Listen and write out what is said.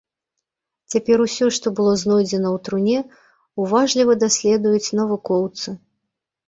Цяпер усё, што было знойдзена ў труне, уважліва даследуюць навукоўцы.